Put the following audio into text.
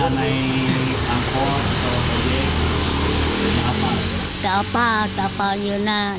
kenapa tidak ada angkot atau apa